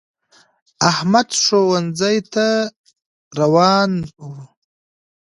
احمد ښونځی تا روان وو